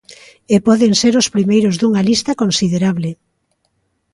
E poden ser os primeiros dunha lista considerable.